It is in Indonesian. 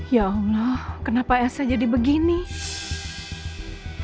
yang mbak anin dan pacarnya lakuin ke kamu itu udah keterlaluan tau gak